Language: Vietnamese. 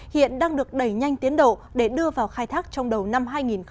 hiện đang được đẩy nhanh tiến độ để đưa vào khai thác trong đầu năm hai nghìn hai mươi